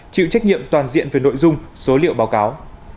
chịu trách nhiệm toàn diện về nội dung số liệu báo cáo